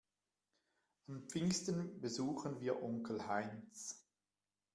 An Pfingsten besuchen wir Onkel Heinz.